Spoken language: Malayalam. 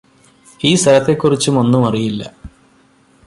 ഈ സ്ഥലത്തെക്കുറിച്ചും ഒന്നുമറിയില്ല